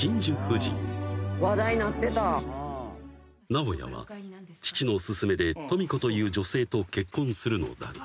［直也は父の勧めで登美子という女性と結婚するのだが］